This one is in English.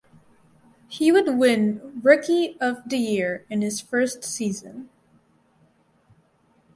He would win Rookie of the Year in his first season.